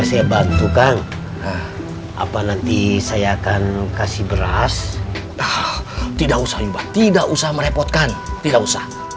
saya bantukan apa nanti saya akan kasih beras tidak usah limbah tidak usah merepotkan tidak usah